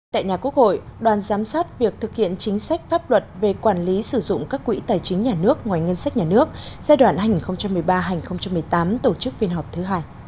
tại nhà quốc hội đoàn giám sát việc thực hiện chính sách pháp luật về quản lý sử dụng các quỹ tài chính nhà nước ngoài ngân sách nhà nước giai đoạn hai nghìn một mươi ba hai nghìn một mươi tám tổ chức phiên họp thứ hai